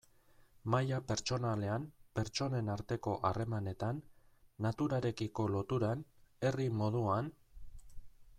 Maila pertsonalean, pertsonen arteko harremanetan, naturarekiko loturan, herri moduan...